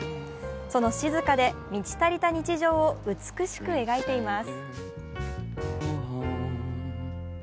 その静かで満ち足りた日常を美しく描いています。